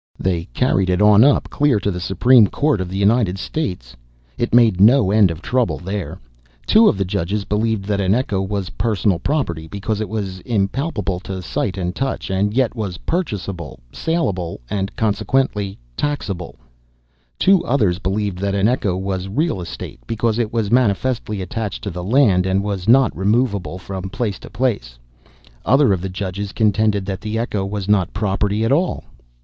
They carried it on up, clear to the Supreme Court of the United States. It made no end of trouble there. Two of the judges believed that an echo was personal property, because it was impalpable to sight and touch, and yet was purchasable, salable, and consequently taxable; two others believed that an echo was real estate, because it was manifestly attached to the land, and was not removable from place to place; other of the judges contended that an echo was not property at all.